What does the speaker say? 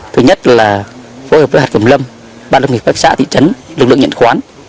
thứ nhất là phối hợp với hạt cẩm lâm ban lực lượng phát xã thị trấn lực lượng nhận khoán